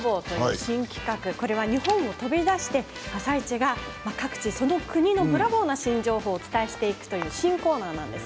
新企画、日本を飛び出して「あさイチ」がその国のブラボーな新情報をお伝えしていくという新コーナーです。